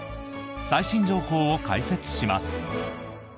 最新情報を解説します。